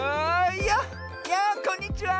いやこんにちは！